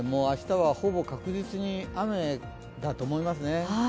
明日はほぼ確実に雨だと思いますね。